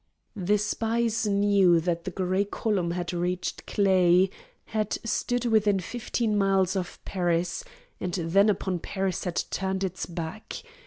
The spies knew that the gray column had reached Claye, had stood within fifteen miles of Paris, and then upon Paris had turned its back.